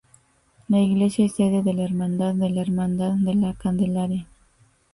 La iglesia es sede de la hermandad de la Hermandad de la Candelaria